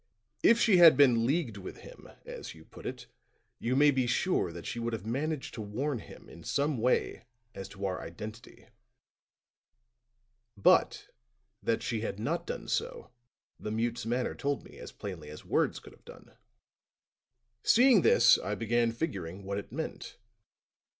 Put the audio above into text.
"If she had been leagued with him, as you put it, you may be sure that she would have managed to warn him in some way as to our identity. But that she had not done so, the mute's manner told me as plainly as words could have done. Seeing this, I began figuring what it meant.